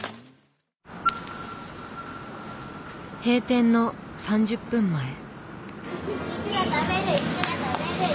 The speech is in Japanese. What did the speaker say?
閉店の３０分前。